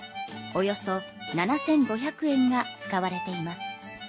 およそ７５００円が使われています。